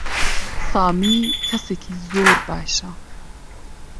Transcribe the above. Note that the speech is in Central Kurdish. سامی کەسێکی زۆر باشە.